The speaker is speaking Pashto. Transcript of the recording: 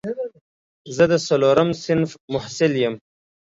زه د څلورم صنف محصل یم